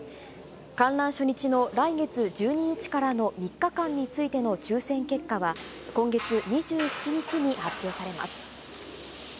観覧初日の来月１２日からの３日間についての抽せん結果は、今月２７日に発表されます。